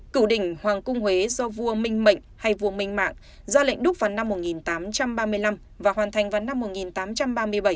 cửu đỉnh hoàng cung huế do vua minh mệnh hay vua minh mạng ra lệnh đúc vào năm một nghìn tám trăm ba mươi năm và hoàn thành vào năm một nghìn tám trăm ba mươi bảy